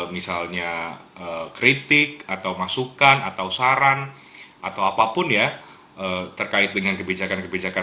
misalnya kritik atau masukan atau saran atau apapun ya terkait dengan kebijakan kebijakan